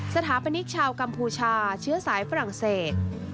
สถาปนิกชาวกัมพูชาเชื้อสายฝรั่งเศส